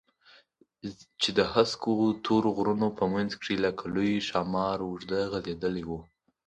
چې د هسکو تورو غرونو په منځ کښې لکه لوى ښامار اوږده غځېدلې وه.